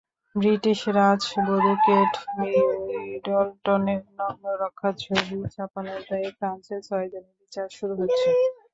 British রাজবধূ Kate মিডলটনের নগ্ন-বক্ষা ছবি ছাপানোর দায়ে ফ্রান্সে ছয়জনের বিচার শুরু হচ্ছে।